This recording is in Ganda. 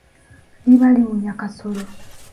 Liba liwunya kasolo.